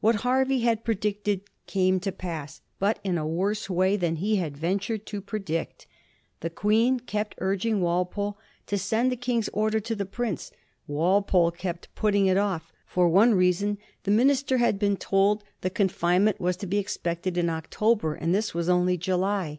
What Hervey had predicted came to pass, but in a worse way than he had ventured to predict. The Queen kept urging Walpole to send the King's order to the prince. Walpole kept putting it off. For one reason, the minis 6* 106 A HISTOBT OF THE FOUR GEORGES. cazzyui. ter had been told the confinement was to be expected in October, and this was only July.